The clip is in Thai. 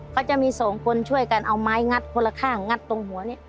เขาจะมีสองคนช่วยกันเอาไม้งัดคนละข้างงัดตรงหัวนี้